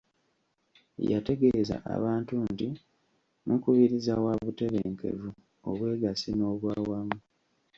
Yategeeza abantu nti mukubiriza wa butebenkevu, obwegassi n'obwawamu.